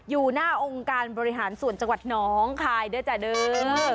อยู่หน้าองค์การบริหารส่วนจังหวัดน้องคายด้วยจ้ะเด้อ